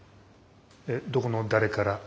えどこの誰から？